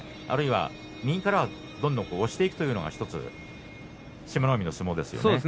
あるいは右からどんどん押していくというのが１つ志摩ノ海の相撲ですよね。